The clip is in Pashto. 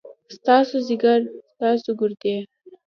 ستاسو ځيګر ، ستاسو ګردې ،